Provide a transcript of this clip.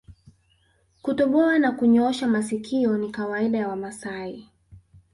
Kutoboa na kunyoosha masikio ni kawaida ya Wamasai